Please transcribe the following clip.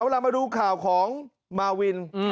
เรามาดูข่าวของมาวิน